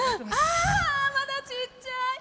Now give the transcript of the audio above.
まだちっちゃい！